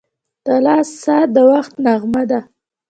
• د لاس ساعت د وخت نغمه ده.